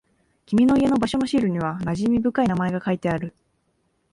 君の家の場所のシールには馴染み深い名前が書いてある。